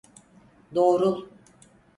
Doğrul.